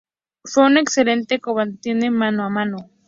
Fue un excelente combatiente mano a mano.